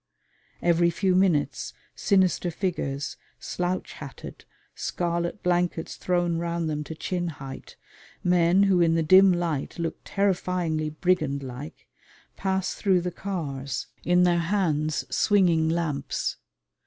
Every few minutes sinister figures, slouch hatted, scarlet blankets thrown round them to chin height, men who in the dim light look terrifyingly brigand like, pass through the cars, in their hands swinging lamps.